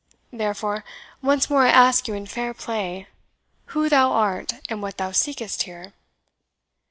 Therefore, once more I ask you in fair play, who thou art, and what thou seekest here?"